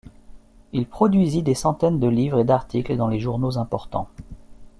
Il produisit des centaines de livres et d'articles dans des journaux importants.